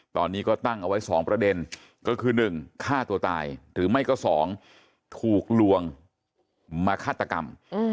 ตอนนี้ก็ตั้งเอาไว้๒ประเด็นก็คือ๑ฆ่าตัวตายหรือไม่ก็๒ถูกลวงมาฆาตกรรม